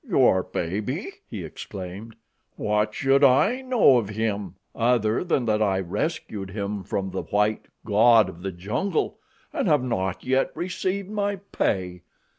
"Your baby!" he exclaimed. "What should I know of him, other than that I rescued him from the white god of the jungle and have not yet received my pay.